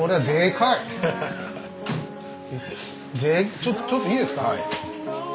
ちょっとちょっといいですか？